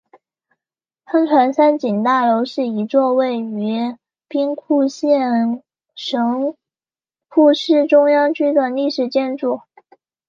商船三井大楼是一座位于兵库县神户市中央区的历史建筑。